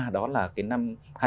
đó là cái năm hai nghìn hai mươi bốn